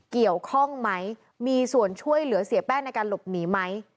เกี่ยวข้องไหมมีส่วนช่วยเหลือเสียแป้งในการหลบหนีไหม